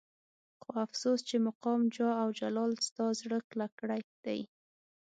خو افسوس چې مقام جاه او جلال ستا زړه کلک کړی دی.